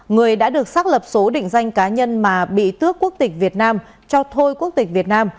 người đã được xác lập số định danh cá nhân mà bị tước quốc tịch việt nam